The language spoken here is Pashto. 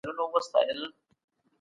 سرتیري څنګه په میدان کي خپل جرئت ثابتوي؟